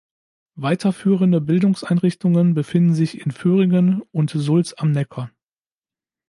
Weiterführende Bildungseinrichtungen befinden sich in Vöhringen und Sulz am Neckar.